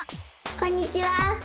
こんにちは！